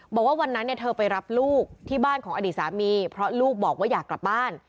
บอกว่าวันนั้นเนี่ยเธอไปรับลูกที่บ้านของอดีตสามีเพราะลูกบอกว่าอยากกลับบ้าน